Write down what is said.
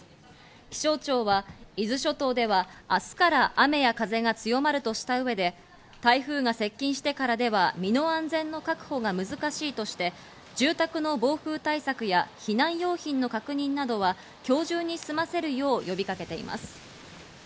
気象庁は伊豆諸島では明日から雨や風が強まるとした上で、台風が接近してからでは身の安全の確保が難しいとして住宅の防風対策や避難用品の確認などは今日中に済ませるよう呼びかけています。